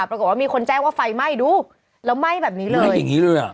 ปรากฏว่ามีคนแจ้งว่าไฟไหม้ดูแล้วไหม้แบบนี้เลยไหม้อย่างงี้เลยอ่ะ